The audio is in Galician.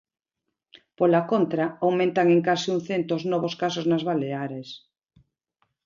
Pola contra, aumentan en case un cento os novos casos nas Baleares.